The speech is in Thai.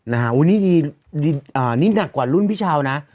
นะฮะอุ้ยนี่นี่อ่านี่หนักกว่ารุ่นพี่เช้านะ